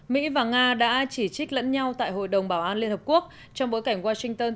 mỹ và nga đã chỉ trích lẫn nhau tại hội đồng bảo an liên hợp quốc trong bối cảnh washington